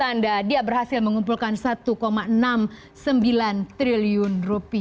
tanda dia berhasil mengumpulkan rp satu enam puluh sembilan triliun